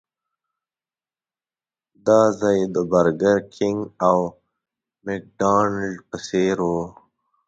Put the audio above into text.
دا ځای د برګر کېنګ او مکډانلډ په څېر و.